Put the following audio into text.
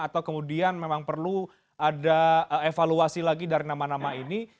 atau kemudian memang perlu ada evaluasi lagi dari nama nama ini